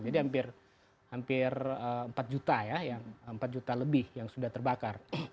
jadi hampir empat juta ya empat juta lebih yang sudah terbakar